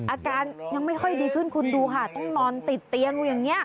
อาการยังไม่ค่อยดีขึ้นคุณดูค่ะต้องนอนติดเตียงอยู่อย่างนี้